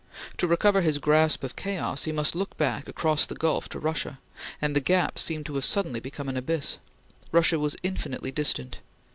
To recover his grasp of chaos, he must look back across the gulf to Russia, and the gap seemed to have suddenly become an abyss. Russia was infinitely distant.